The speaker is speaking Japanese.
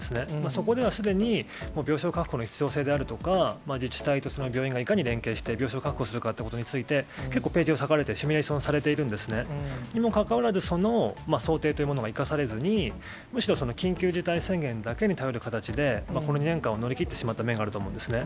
そこではすでに、病床確保の必要性であるとか、自治体と病院がいかに連携して、病床を確保するかということについて、結構、ページを割かれてシミュレーションされているんですね。にもかかわらず、その想定というものが生かされずに、むしろ緊急事態宣言だけに頼る形で、この２年間を乗り切ってしまった面があると思うんですね。